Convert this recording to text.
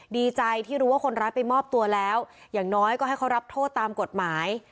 ดีใจที่รู้ว่าคนร้ายไปมอบตัวแล้วอย่างน้อยก็ให้เขารับโทษตามกฎหมาย